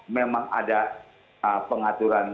memang ada pengaturan